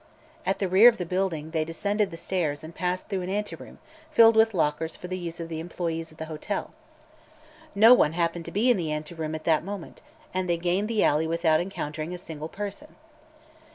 At the rear of the building they descended the stairs and passed through an anteroom fitted with lockers for the use of the employees of the hotel. No one happened to be in the anteroom at that moment and they gained the alley without encountering a single person.